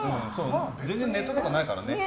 全然、ネットとかないからね。